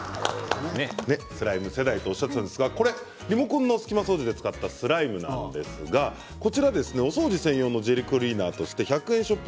スライム世代とおっしゃっていたんですがリモコンの隙間掃除で使ったスライムなんですがお掃除専用のジェルクリーナーとして１００円ショップ